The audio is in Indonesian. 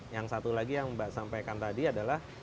yang satu lagi yang mbak sampaikan tadi adalah